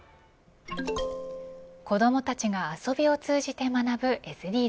子どもたちが遊びを通じて学ぶＳＤＧｓ。